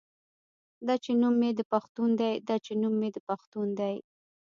دا چې نوم مې د پښتون دے دا چې نوم مې د پښتون دے